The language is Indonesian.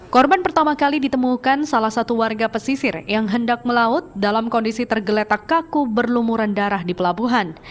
korban pertama kali ditemukan salah satu warga pesisir yang hendak melaut dalam kondisi tergeletak kaku berlumuran darah di pelabuhan